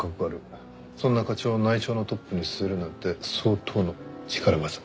そんな課長を内調のトップに据えるなんて相当の力業。